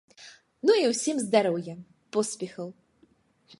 Ну і ўсім здароўя, поспехаў.